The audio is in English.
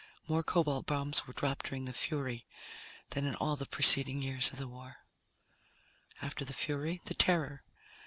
More cobalt bombs were dropped during the Fury than in all the preceding years of the war. After the Fury, the Terror.